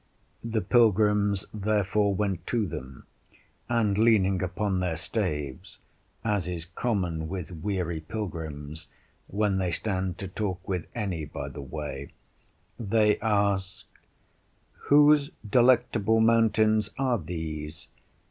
The pilgrims therefore went to them, and leaning upon their staves (as is common with weary pilgrims, when they stand to talk with any by the way) they asked, Whose delectable mountains are these?